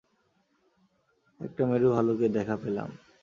একটা মেরু ভালুকের দেখা পেলাম।